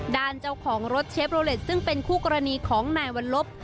ด้านเจ้าของรถเชฟโลเลสซึ่งเป็นคู่กรณีของนายวัลลบ